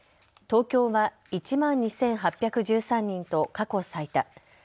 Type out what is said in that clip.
東京は１万２８１３人と過去最多。